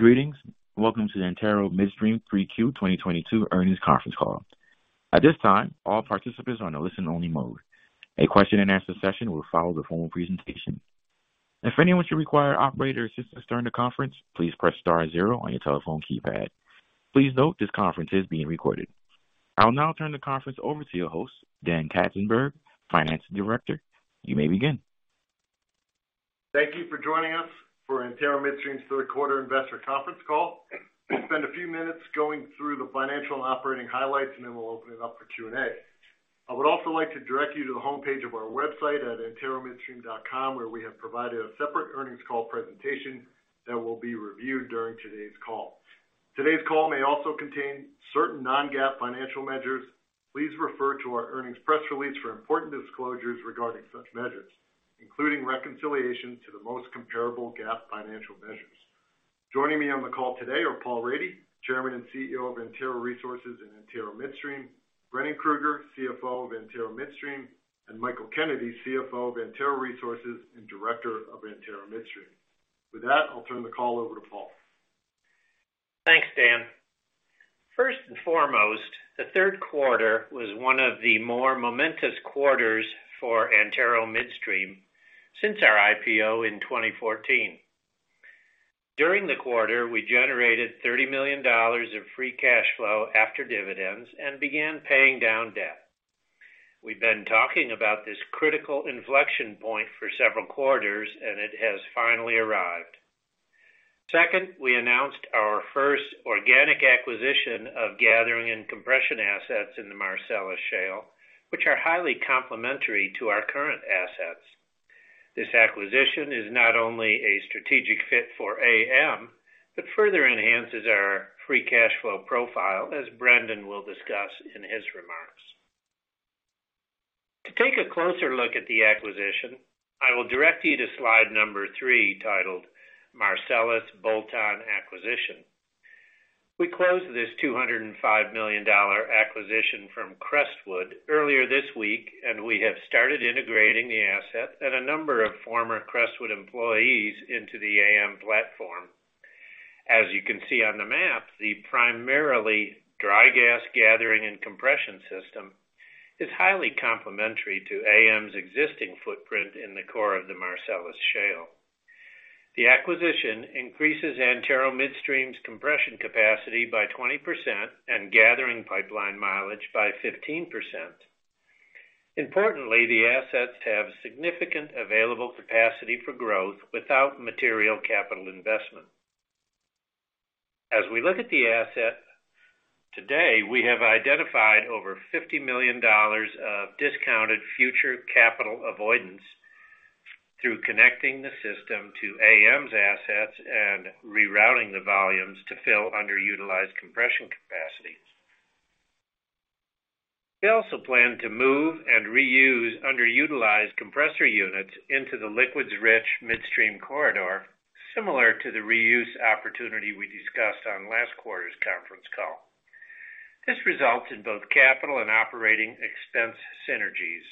Greetings. Welcome to Antero Midstream Q3 2022 Earnings Conference Call. At this time, all participants are on a listen only mode. A question-and-answer session will follow the formal presentation. If anyone should require operator assistance during the conference, please press star zero on your telephone keypad. Please note this conference is being recorded. I'll now turn the conference over to your host, Dan Katzenberg, finance director. You may begin. Thank you for joining us for Antero Midstream's Q3 investor conference call. Spend a few minutes going through the financial and operating highlights, and then we'll open it up for Q&A. I would also like to direct you to the homepage of our website at anteromidstream.com, where we have provided a separate earnings call presentation that will be reviewed during today's call. Today's call may also contain certain non-GAAP financial measures. Please refer to our earnings press release for important disclosures regarding such measures, including reconciliation to the most comparable GAAP financial measures. Joining me on the call today are Paul Rady, Chairman and CEO of Antero Resources and Antero Midstream, Brendan E. Krueger, CFO of Antero Midstream, and Michael Kennedy, CFO of Antero Resources and Director of Antero Midstream. With that, I'll turn the call over to Paul. Thanks, Dan. First and foremost, the Q3 was one of the more momentous quarters for Antero Midstream since our IPO in 2014. During the quarter, we generated $30 million of free cash flow after dividends and began paying down debt. We've been talking about this critical inflection point for several quarters, and it has finally arrived. Second, we announced our first organic acquisition of gathering and compression assets in the Marcellus Shale, which are highly complementary to our current assets. This acquisition is not only a strategic fit for AM, but further enhances our free cash flow profile, as Brendan will discuss in his remarks. To take a closer look at the acquisition, I will direct you to slide number 3, titled Marcellus Bolt-on Acquisition. We closed this $205 million acquisition from Crestwood earlier this week, and we have started integrating the asset and a number of former Crestwood employees into the AM platform. As you can see on the map, the primarily dry gas gathering and compression system is highly complementary to AM's existing footprint in the core of the Marcellus Shale. The acquisition increases Antero Midstream's compression capacity by 20% and gathering pipeline mileage by 15%. Importantly, the assets have significant available capacity for growth without material capital investment. As we look at the asset today, we have identified over $50 million of discounted future capital avoidance through connecting the system to AM's assets and rerouting the volumes to fill underutilized compression capacity. We also plan to move and reuse underutilized compressor units into the liquids rich midstream corridor, similar to the reuse opportunity we discussed on last quarter's conference call. This results in both capital and operating expense synergies.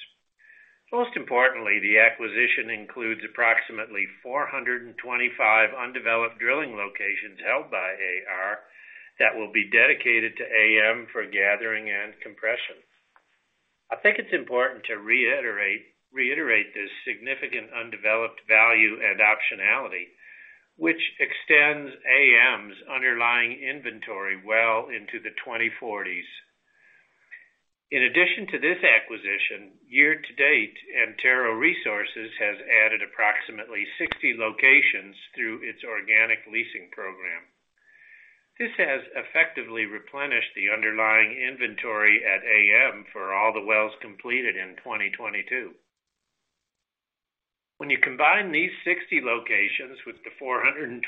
Most importantly, the acquisition includes approximately 425 undeveloped drilling locations held by AR that will be dedicated to AM for gathering and compression. I think it's important to reiterate this significant undeveloped value and optionality, which extends AM's underlying inventory well into the 2040s. In addition to this acquisition, year to date, Antero Resources has added approximately 60 locations through its organic leasing program. This has effectively replenished the underlying inventory at AM for all the wells completed in 2022. When you combine these 60 locations with the 425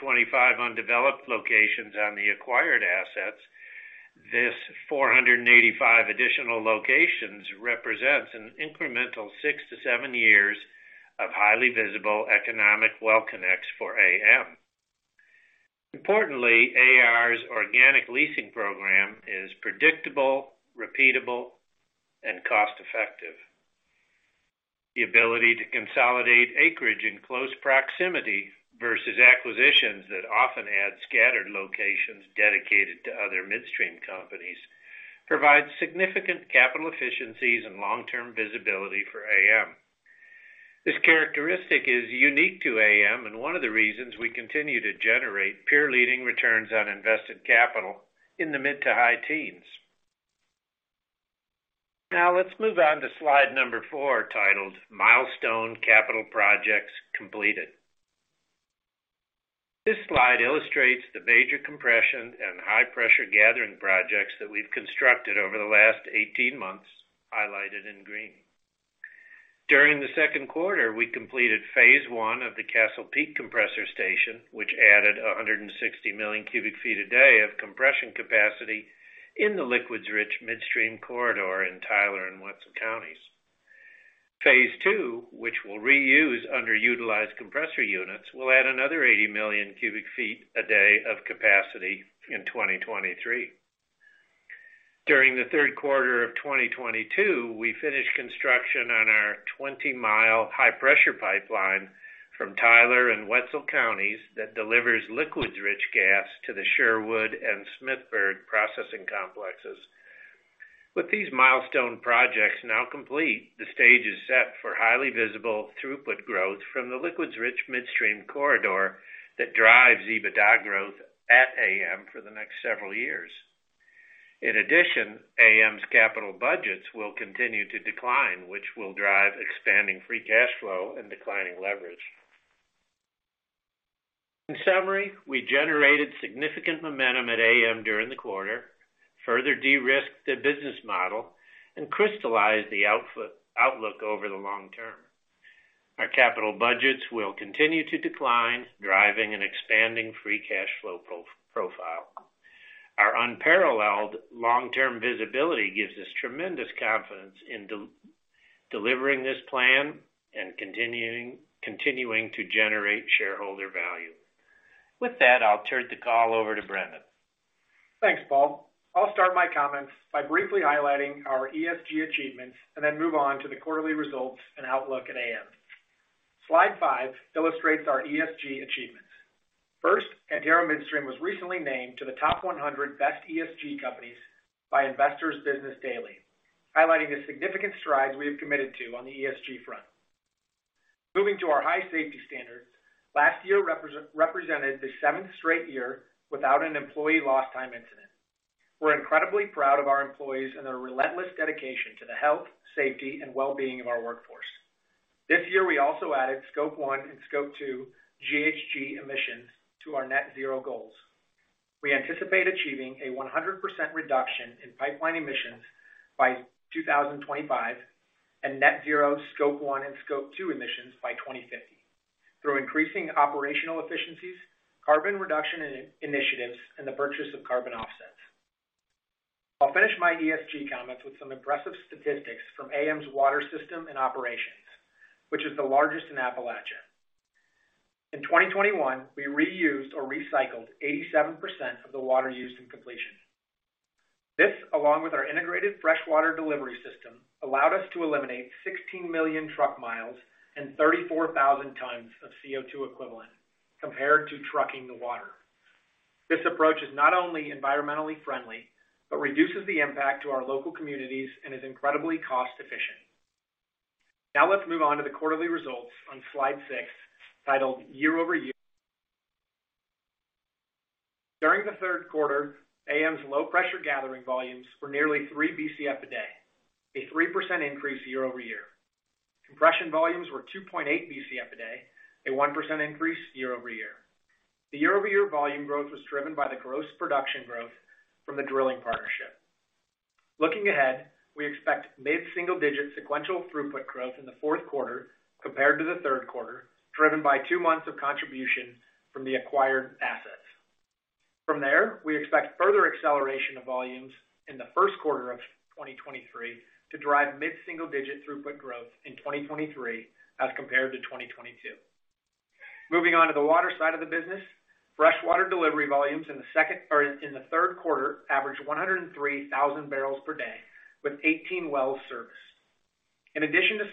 undeveloped locations on the acquired assets, this 485 additional locations represents an incremental 6-7 years of highly visible economic well connects for AM. Importantly, AR's organic leasing program is predictable, repeatable, and cost-effective. The ability to consolidate acreage in close proximity versus acquisitions that often add scattered locations dedicated to other midstream companies provides significant capital efficiencies and long-term visibility for AM. This characteristic is unique to AM and one of the reasons we continue to generate peer leading returns on invested capital in the mid- to high teens%. Now let's move on to slide 4, titled Milestone Capital Projects Completed. This slide illustrates the major compression and high pressure gathering projects that we've constructed over the last 18 months, highlighted in green. During the Q2, we completed phase one of the Castle Peak compressor station, which added 160 million cubic feet a day of compression capacity in the liquids-rich midstream corridor in Tyler and Wetzel counties. Phase two, which will reuse underutilized compressor units, will add another 80 million cubic feet a day of capacity in 2023. During the Q3 of 2022, we finished construction on our 20-mile high-pressure pipeline from Tyler and Wetzel counties that delivers liquids-rich gas to the Sherwood and Smithburg processing complexes. With these milestone projects now complete, the stage is set for highly visible throughput growth from the liquids-rich midstream corridor that drives EBITDA growth at AM for the next several years. In addition, AM's capital budgets will continue to decline, which will drive expanding free cash flow and declining leverage. In summary, we generated significant momentum at AM during the quarter, further de-risked the business model, and crystallized the outlook over the long term. Our capital budgets will continue to decline, driving an expanding free cash flow profile. Our unparalleled long-term visibility gives us tremendous confidence in delivering this plan and continuing to generate shareholder value. With that, I'll turn the call over to Brendan. Thanks, Paul. I'll start my comments by briefly highlighting our ESG achievements and then move on to the quarterly results and outlook at AM. Slide 5 illustrates our ESG achievements. First, Antero Midstream was recently named to the top 100 best ESG companies by Investor's Business Daily, highlighting the significant strides we have committed to on the ESG front. Moving to our high safety standards, last year represented the seventh straight year without an employee lost time incident. We're incredibly proud of our employees and their relentless dedication to the health, safety, and well-being of our workforce. This year, we also added Scope 1 and Scope 2 GHG emissions to our net zero goals. We anticipate achieving a 100% reduction in pipeline emissions by 2025, and net zero Scope 1 and Scope 2 emissions by 2050 through increasing operational efficiencies, carbon reduction initiatives, and the purchase of carbon offsets. I'll finish my ESG comments with some impressive statistics from AM's water system and operations, which is the largest in Appalachia. In 2021, we reused or recycled 87% of the water used in completion. This, along with our integrated freshwater delivery system, allowed us to eliminate 16 million truck miles and 34,000 tons of CO2 equivalent compared to trucking the water. This approach is not only environmentally friendly, but reduces the impact to our local communities and is incredibly cost efficient. Now let's move on to the quarterly results on slide 6, titled year-over-year. During the Q3, AM's low pressure gathering volumes were nearly 3 Bcf a day, a 3% increase year-over-year. Compression volumes were 2.8 Bcf a day, a 1% increase year-over-year. The year-over-year volume growth was driven by the gross production growth from the drilling partnership. Looking ahead, we expect mid-single digit sequential throughput growth in the Q4 compared to the Q3, driven by 2 months of contribution from the acquired assets. From there, we expect further acceleration of volumes in the Q1 of 2023 to drive mid-single digit throughput growth in 2023 as compared to 2022. Moving on to the water side of the business. Freshwater delivery volumes in the Q3 averaged 103,000 barrels per day with 18 wells serviced. In addition to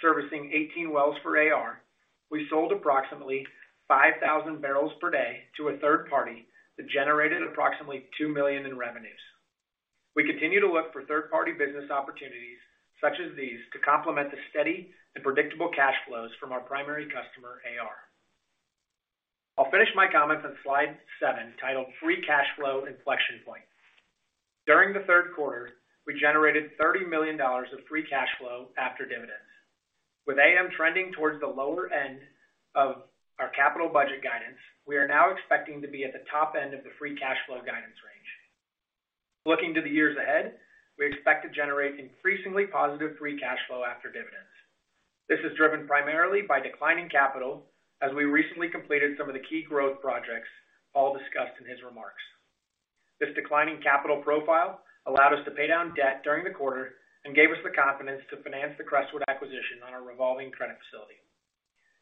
servicing 18 wells for AR, we sold approximately 5,000 barrels per day to a third party that generated approximately $2 million in revenues. We continue to look for third-party business opportunities such as these to complement the steady and predictable cash flows from our primary customer, AR. I'll finish my comments on slide 7, titled Free Cash Flow Inflection Points. During the Q3, we generated $30 million of free cash flow after dividends. With AM trending towards the lower end of our capital budget guidance, we are now expecting to be at the top end of the free cash flow guidance range. Looking to the years ahead, we expect to generate increasingly positive free cash flow after dividends. This is driven primarily by declining capital as we recently completed some of the key growth projects Paul discussed in his remarks. This declining capital profile allowed us to pay down debt during the quarter and gave us the confidence to finance the Crestwood acquisition on our revolving credit facility.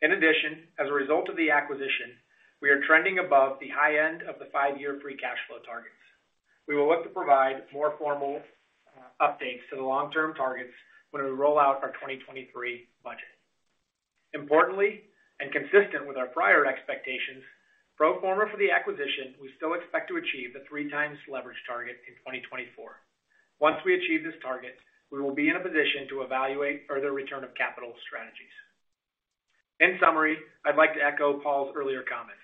In addition, as a result of the acquisition, we are trending above the high end of the five-year free cash flow targets. We will look to provide more formal updates to the long-term targets when we roll out our 2023 budget. Importantly, and consistent with our prior expectations, pro forma for the acquisition, we still expect to achieve the 3x leverage target in 2024. Once we achieve this target, we will be in a position to evaluate further return of capital strategies. In summary, I'd like to echo Paul's earlier comments.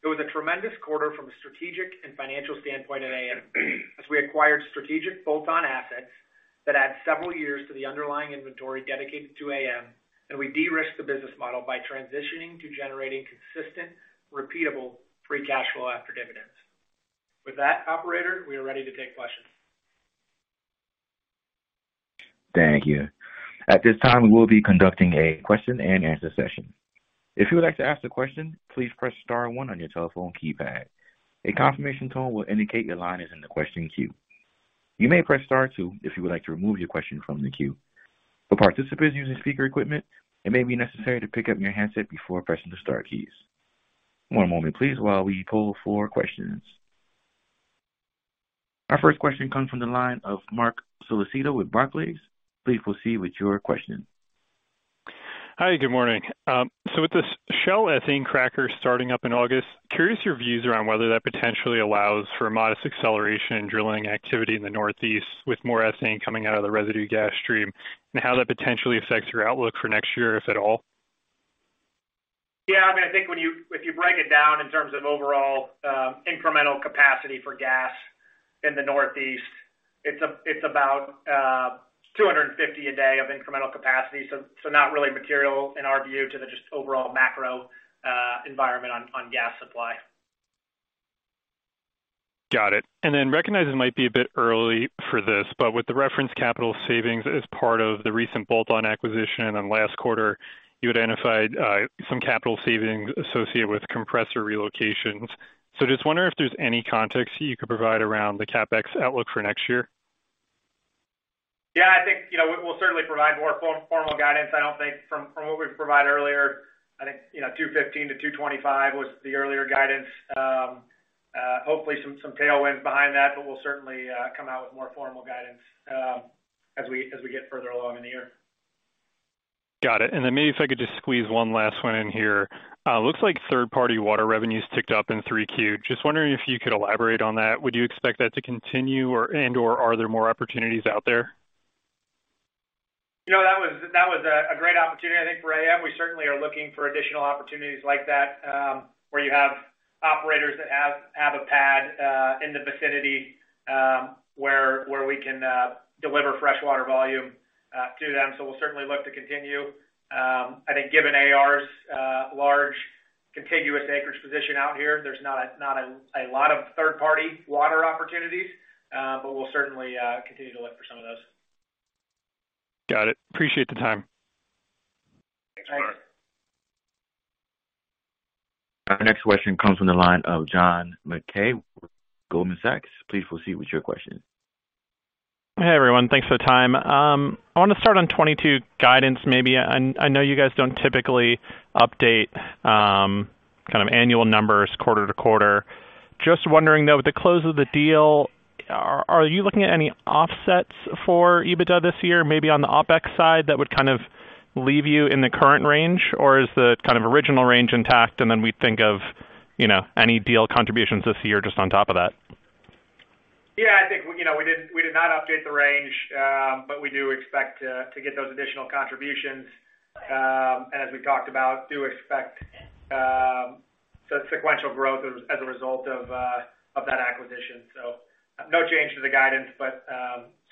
It was a tremendous quarter from a strategic and financial standpoint at AM as we acquired strategic bolt-on assets that add several years to the underlying inventory dedicated to AM, and we de-risked the business model by transitioning to generating consistent, repeatable free cash flow after dividends. With that operator, we are ready to take questions. Thank you. At this time, we will be conducting a question and answer session. If you would like to ask a question, please press star one on your telephone keypad. A confirmation tone will indicate your line is in the question queue. You may press star two if you would like to remove your question from the queue. For participants using speaker equipment, it may be necessary to pick up your handset before pressing the star keys. One moment, please, while we pull for questions. Our first question comes from the line of Marc Solecitto with Barclays. Please proceed with your question. Hi, good morning. With this Shell ethane cracker starting up in August, curious your views around whether that potentially allows for modest acceleration in drilling activity in the Northeast with more ethane coming out of the residue gas stream, and how that potentially affects your outlook for next year, if at all? Yeah, I mean, I think if you break it down in terms of overall incremental capacity for gas in the Northeast, it's about 250 a day of incremental capacity. So not really material in our view to the just overall macro environment on gas supply. Got it. Recognizing it might be a bit early for this, but with the reference capital savings as part of the recent bolt-on acquisition, and then last quarter, you identified some capital savings associated with compressor relocations. Just wondering if there's any context you could provide around the CapEx outlook for next year. Yeah, I think, you know, we'll certainly provide more formal guidance. I don't think from what we provided earlier, I think, you know, $215-$225 was the earlier guidance. Hopefully some tailwinds behind that, but we'll certainly come out with more formal guidance, as we get further along in the year. Maybe if I could just squeeze one last one in here. Looks like third-party water revenues ticked up in 3Q. Just wondering if you could elaborate on that. Would you expect that to continue or are there more opportunities out there? You know, that was a great opportunity, I think, for AM. We certainly are looking for additional opportunities like that, where you have operators that have a pad in the vicinity, where we can deliver fresh water volume to them. We'll certainly look to continue. I think given AR's large contiguous acreage position out here, there's not a lot of third-party water opportunities. We'll certainly continue to look for some of those. Got it. Appreciate the time. Thanks. Our next question comes from the line of John Mackay with Goldman Sachs. Please proceed with your question. Hey, everyone. Thanks for the time. I want to start on 2022 guidance maybe. I know you guys don't typically update kind of annual numbers quarter to quarter. Just wondering, though, with the close of the deal, are you looking at any offsets for EBITDA this year, maybe on the OpEx side that would kind of leave you in the current range? Or is the kind of original range intact, and then we think of, you know, any deal contributions this year just on top of that? Yeah, I think, you know, we did not update the range, but we do expect to get those additional contributions. As we talked about, do expect the sequential growth as a result of that acquisition. No change to the guidance, but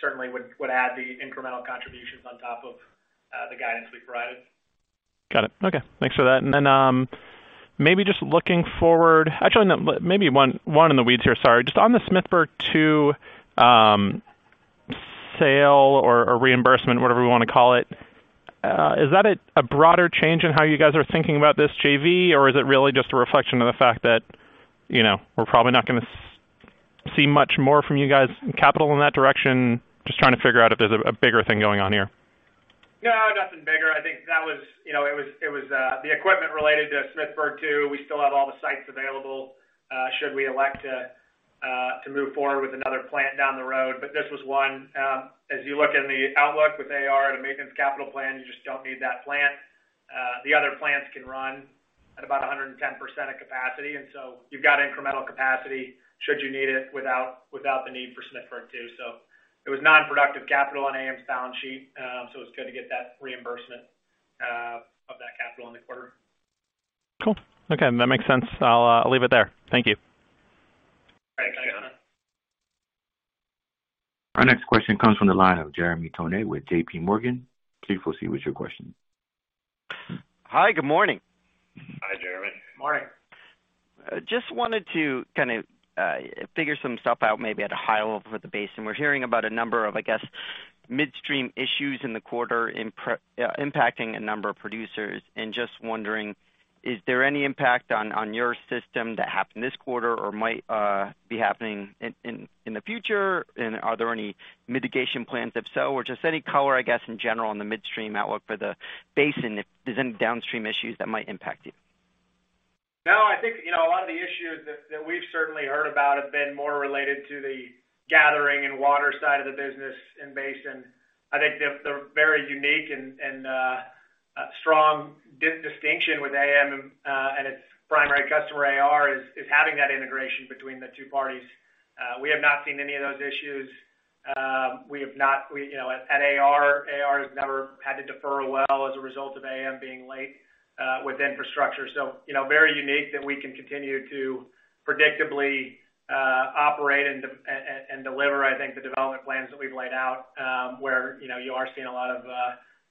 certainly would add the incremental contributions on top of the guidance we provided. Got it. Okay. Thanks for that. Maybe just looking forward. Actually, no. Maybe one in the weeds here. Sorry. Just on the Smithburg 2, sale or reimbursement, whatever we wanna call it, is that a broader change in how you guys are thinking about this JV, or is it really just a reflection of the fact that, you know, we're probably not gonna see much more from you guys in capital in that direction? Just trying to figure out if there's a bigger thing going on here. No, nothing bigger. I think that was the equipment related to Smithburg 2. We still have all the sites available should we elect to move forward with another plant down the road. This was one, as you look in the outlook with AR and a maintenance capital plan, you just don't need that plant. The other plants can run at about 110% of capacity, and so you've got incremental capacity should you need it without the need for Smithburg 2. It was non-productive capital on AM's balance sheet. It's good to get that reimbursement of that capital in the quarter. Cool. Okay, that makes sense. I'll leave it there. Thank you. Thanks, John Mackay. Our next question comes from the line of Jeremy Tonet with JPMorgan. Please proceed with your question. Hi, good morning. Hi, Jeremy. Morning. Just wanted to kind of figure some stuff out maybe at a high level for the basin. We're hearing about a number of, I guess, midstream issues in the quarter impacting a number of producers. Just wondering, is there any impact on your system that happened this quarter or might be happening in the future? Are there any mitigation plans, if so? Just any color, I guess, in general on the midstream outlook for the basin, if there's any downstream issues that might impact you. No, I think, you know, a lot of the issues that we've certainly heard about have been more related to the gathering and water side of the business in basin. I think the very unique and strong distinction with AM and its primary customer, AR, is having that integration between the two parties. We have not seen any of those issues. We, you know, at AR has never had to defer a well as a result of AM being late with infrastructure. You know, very unique that we can continue to predictably operate and deliver, I think, the development plans that we've laid out, where, you know, you are seeing a lot of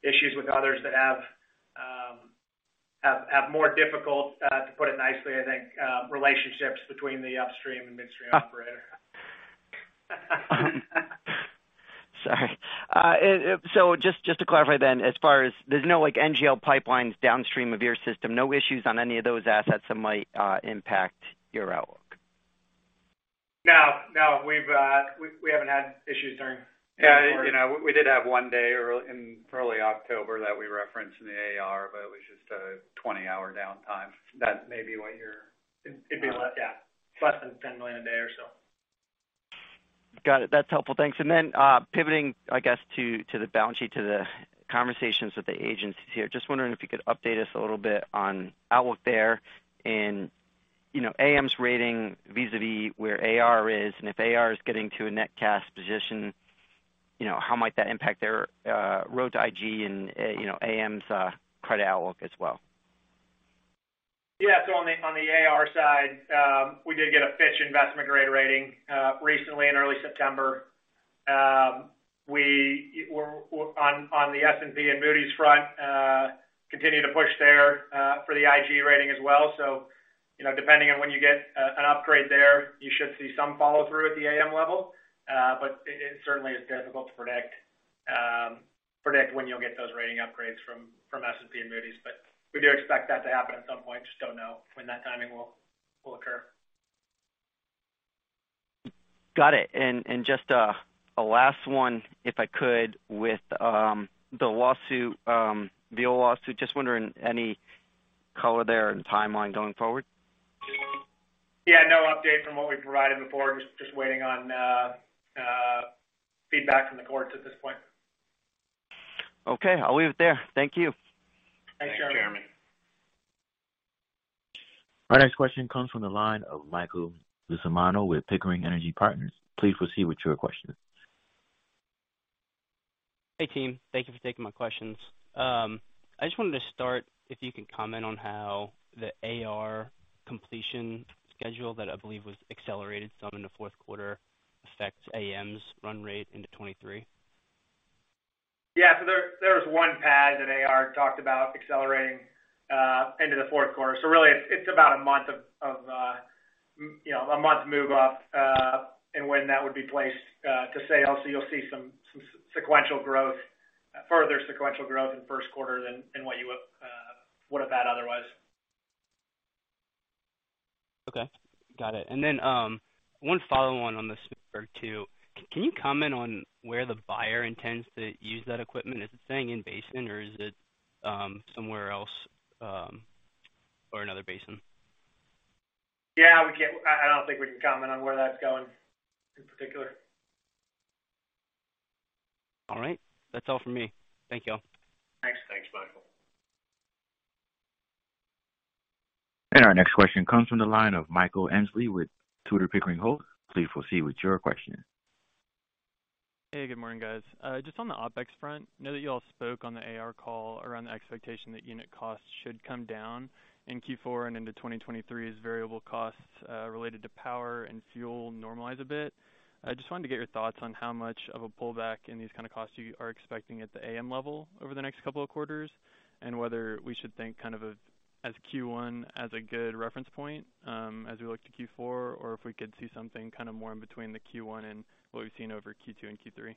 issues with others that have more difficult, to put it nicely, I think, relationships between the upstream and midstream operator. Sorry. Just to clarify, as far as there's no like NGL pipelines downstream of your system, no issues on any of those assets that might impact your outlook? No, no. We haven't had issues during the Q4. Yeah, you know, we did have one day in early October that we referenced in the AR, but it was just a 20-hour downtime. That may be what you're It'd be less, yeah. Less than $10 million a day or so. Got it. That's helpful. Thanks. Pivoting, I guess to the balance sheet, to the conversations with the agencies here. Just wondering if you could update us a little bit on outlook there and, you know, AM's rating vis-a-vis where AR is, and if AR is getting to a net cash position, you know, how might that impact their road to IG and, you know, AM's credit outlook as well? Yeah. On the AR side, we did get a Fitch investment-grade rating recently in early September. We were on the S&P and Moody's front, continue to push there, for the IG rating as well. You know, depending on when you get an upgrade there, you should see some follow through at the AM level. It is certainly difficult to predict when you'll get those rating upgrades from S&P and Moody's. We do expect that to happen at some point. Just don't know when that timing will occur. Got it. Just a last one, if I could, with the lawsuit, the old lawsuit. Just wondering any color there and timeline going forward. Yeah, no update from what we've provided before. Just waiting on feedback from the courts at this point. Okay, I'll leave it there. Thank you. Thanks, Jeremy. Thanks, Jeremy. Our next question comes from the line of Michael Cusimano with Pickering Energy Partners. Please proceed with your question. Hey, team. Thank you for taking my questions. I just wanted to start if you can comment on how the AR completion schedule that I believe was accelerated some in the Q4 affects AM's run rate into 2023? Yeah. There was one pad that AR talked about accelerating into the Q4. Really it's about a month of you know a month move up in when that would be placed to sales. You'll see some sequential growth further sequential growth in the Q1 than what you would have had otherwise. Okay. Got it. One follow on the Smithburg 2. Can you comment on where the buyer intends to use that equipment? Is it staying in basin or is it somewhere else, or another basin? Yeah, we can't. I don't think we can comment on where that's going in particular. All right. That's all for me. Thank y'all. Thanks. Thanks, Michael. Our next question comes from the line of Michael Hensley with Tudor Pickering Holt. Please proceed with your question. Hey, good morning, guys. Just on the OpEx front, you know that you all spoke on the AR call around the expectation that unit costs should come down in Q4 and into 2023 as variable costs related to power and fuel normalize a bit. I just wanted to get your thoughts on how much of a pullback in these kind of costs you are expecting at the AM level over the next couple of quarters, and whether we should think kind of as Q1 as a good reference point as we look to Q4, or if we could see something kind of more in between the Q1 and what we've seen over Q2 and Q3.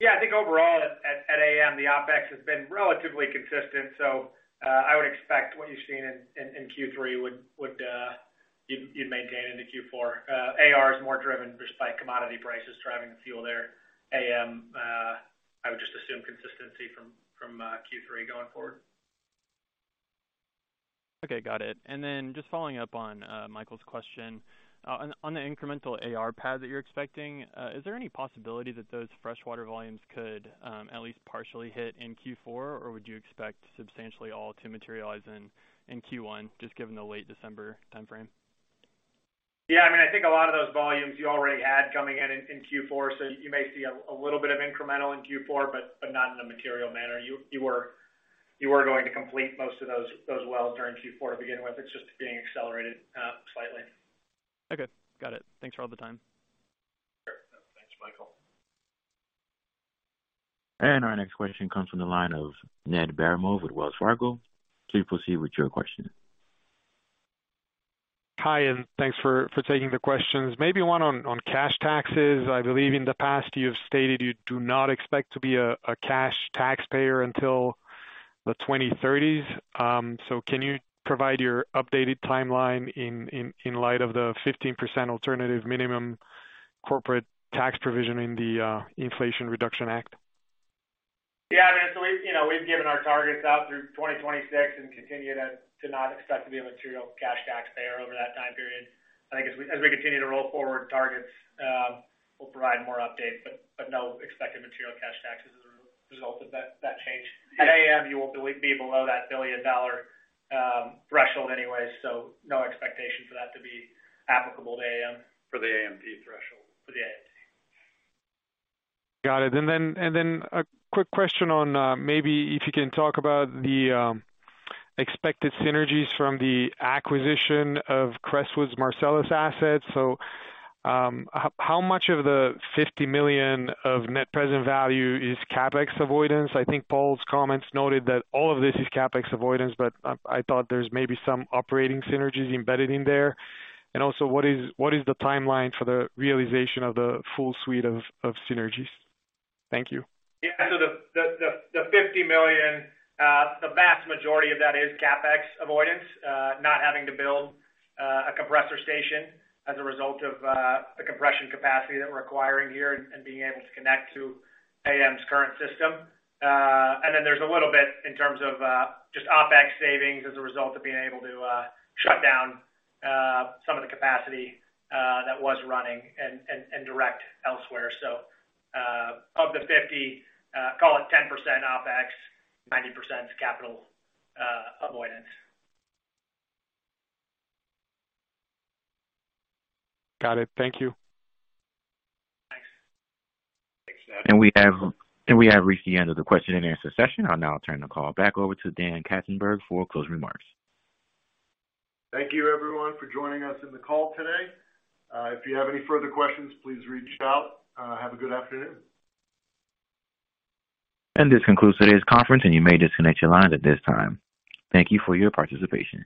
Yeah. I think overall at AM, the OpEx has been relatively consistent, so I would expect what you've seen in Q3 you'd maintain into Q4. AR is more driven just by commodity prices driving the fuel there. AM, I would just assume consistency from Q3 going forward. Okay, got it. Just following up on Michael's question. On the incremental AR pad that you're expecting, is there any possibility that those freshwater volumes could at least partially hit in Q4, or would you expect substantially all to materialize in Q1, just given the late December timeframe? Yeah. I mean, I think a lot of those volumes you already had coming in in Q4, so you may see a little bit of incremental in Q4, but not in a material manner. You were going to complete most of those wells during Q4 to begin with. It's just being accelerated slightly. Okay, got it. Thanks for all the time. Sure. Thanks, Michael. Our next question comes from the line of Ned Baramov with Wells Fargo. Please proceed with your question. Hi, and thanks for taking the questions. Maybe one on cash taxes. I believe in the past you've stated you do not expect to be a cash taxpayer until the 2030s. Can you provide your updated timeline in light of the 15% alternative minimum corporate tax provision in the Inflation Reduction Act of 2022? Yeah. I mean, we've, you know, we've given our targets out through 2026 and continue to not expect to be a material cash taxpayer over that time period. I think as we continue to roll forward targets, we'll provide more updates, but no expected material cash taxes as a result of that change. At AM, you will be below that $1 billion threshold anyway, so no expectation for that to be applicable to AM. For the AMT threshold. For the AMT. Got it. A quick question on maybe if you can talk about the expected synergies from the acquisition of Crestwood's Marcellus assets. How much of the $50 million of net present value is CapEx avoidance? I think Paul's comments noted that all of this is CapEx avoidance, but I thought there's maybe some operating synergies embedded in there. What is the timeline for the realization of the full suite of synergies? Thank you. Yeah. The $50 million, the vast majority of that is CapEx avoidance, not having to build a compressor station as a result of the compression capacity that we're acquiring here and being able to connect to AM's current system. And then there's a little bit in terms of just OpEx savings as a result of being able to shut down some of the capacity that was running and direct elsewhere. Of the $50 million, call it 10% OpEx, 90% capital avoidance. Got it. Thank you. Thanks. Thanks, Ned. We have reached the end of the question and answer session. I'll now turn the call back over to Dan Katzenberg for closing remarks. Thank you everyone for joining us in the call today. If you have any further questions, please reach out. Have a good afternoon. This concludes today's conference, and you may disconnect your lines at this time. Thank you for your participation.